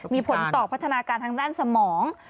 มีผลต่อพัฒนาการทางด้านสมอง